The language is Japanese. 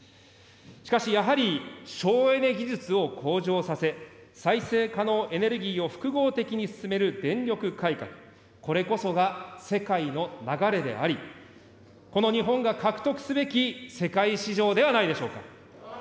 しかしやはり、省エネ技術を向上させ、再生可能エネルギーを複合的に進める電力改革、これこそが世界の流れであり、この日本が獲得すべき世界市場ではないでしょうか。